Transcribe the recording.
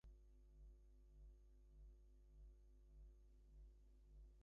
He defended and enriched the Aristotelian tradition for the seventeenth century.